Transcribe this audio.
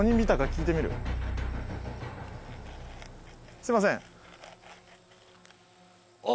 すいませんあっ！